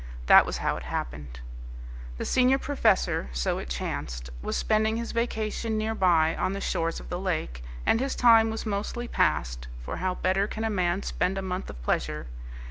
That was how it happened. The senior professor, so it chanced, was spending his vacation near by on the shores of the lake, and his time was mostly passed for how better can a man spend a month of pleasure?